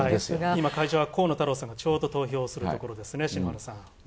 今、会場は河野太郎さんがちょうど投票するところですね。